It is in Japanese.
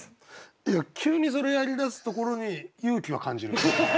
いや急にそれやりだすところに勇気は感じる。